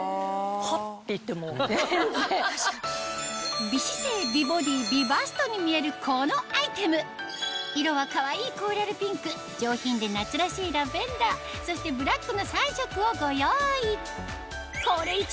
て行っても全然。に見えるこのアイテム色はかわいいコーラルピンク上品で夏らしいラベンダーそしてブラックの３色をご用意